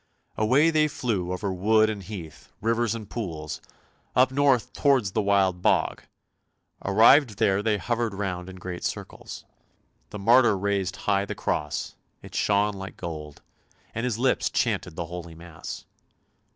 Away they flew over wood and heath, rivers and pools, up north towards the Wild Bog; arrived here they hovered round in great circles. The martyr raised high the cross, it shone like gold, and his lips chanted the holy mass.